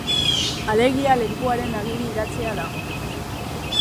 Alegia, lekukoaren agiri idatzia da.